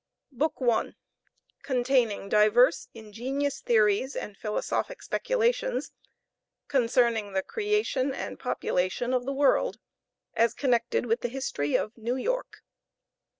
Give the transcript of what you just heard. BOOK I. CONTAINING DIVERS INGENIOUS THEORIES AND PHILOSOPHIC SPECULATIONS, CONCERNING THE CREATION AND POPULATION OF THE WORLD, AS CONNECTED WITH THE HISTORY OF NEW YORK.